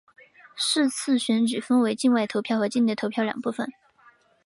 是次选举分为境外投票和境内投票两部分。